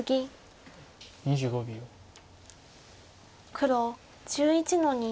黒１１の二。